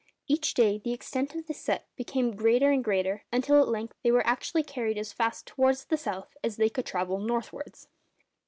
Each day the extent of this set became greater and greater, until at length they were actually carried as fast towards the south as they could travel northwards.